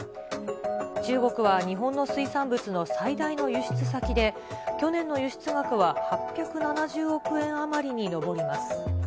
中国は日本の水産物の最大の輸出先で、去年の輸出額は８７０億円余りに上ります。